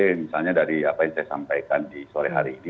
misalnya dari apa yang saya sampaikan di sore hari ini